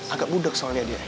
agak budok soalnya dia